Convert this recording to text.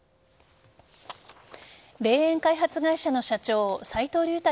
霊園開発会社の社長斎藤竜太